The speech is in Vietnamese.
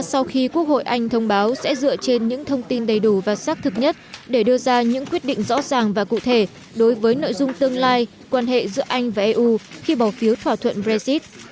sau khi quốc hội anh thông báo sẽ dựa trên những thông tin đầy đủ và xác thực nhất để đưa ra những quyết định rõ ràng và cụ thể đối với nội dung tương lai quan hệ giữa anh và eu khi bỏ phiếu thỏa thuận brexit